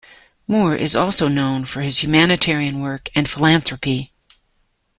Moore is also known for his humanitarian work and philanthropy.